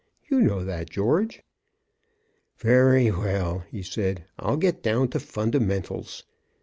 You know that, George." "Very well," he said, "I'll get down to fundamentals.